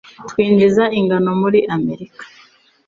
Twinjiza ingano muri Amerika.